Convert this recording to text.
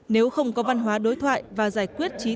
nếu không có văn hóa đối thoại và giải quyết trí